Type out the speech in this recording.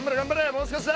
もう少しだ。